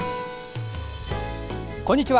こんにちは。